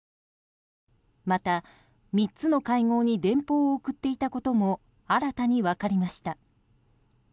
また、３つの会合に電報を送っていたことも新たに分かりました。